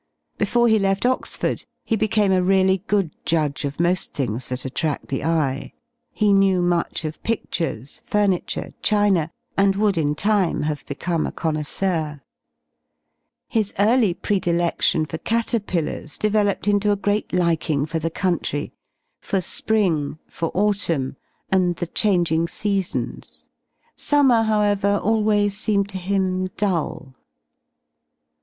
Before he left Oxford he became a really good judge of moSl things that attrad the eye. He knetv much of pidures, furniture, china, and would in time have become a connoisseur. His early prediledion for caterpillars developed into a great liking for the country, for spring, for autumn, and the changing seasons. Summer, howev er, always seemed to him dull.